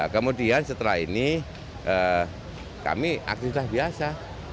kemudian setelah ini kami aktivitas biasa